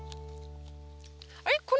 あれ？